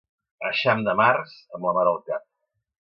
Eixam de març, amb la mare al cap.